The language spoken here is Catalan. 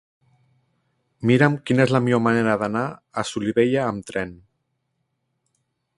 Mira'm quina és la millor manera d'anar a Solivella amb tren.